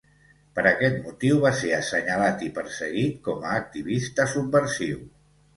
Per aquest motiu va ser assenyalat i perseguit com a activista subversiu.